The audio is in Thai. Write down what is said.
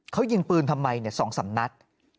เขายิงปืนทำไม๒๓นัด